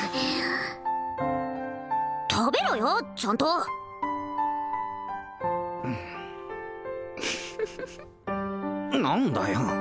食べろよちゃんとフフフフ何だよ